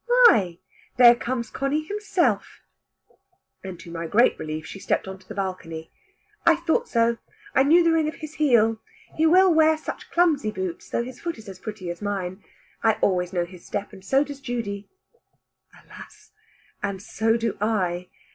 Why there comes Conny himself;" and to my great relief she stepped into the balcony. "I thought so. I knew the ring of his heel. He will wear such clumsy boots, though his foot is as pretty as mine. I always know his step, and so does Judy." Alas! and so do I.